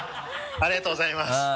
ありがとうございます。